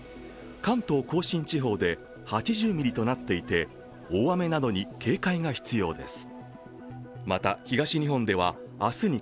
関東甲信地方で８０ミリとなっていて大雨などに警戒が必要です。